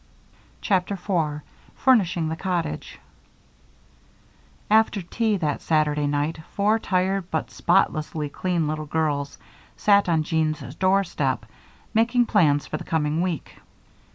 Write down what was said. CHAPTER 4 Furnishing the Cottage After tea that Saturday night four tired but spotlessly clean little girls sat on Jean's doorstep, making plans for the coming week.